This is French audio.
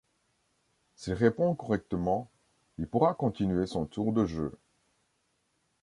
S'il répond correctement, il pourra continuer son tour de jeu.